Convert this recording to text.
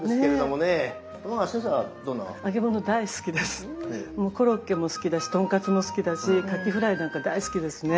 もうコロッケも好きだし豚カツも好きだしカキフライなんか大好きですね。